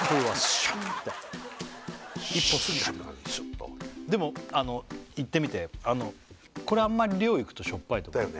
シュッとでもいってみてこれはあんまり量いくとしょっぱいと思うだよね